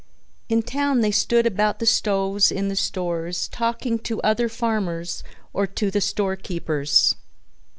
In town they stood about the stoves in the stores talking to other farmers or to the store keepers.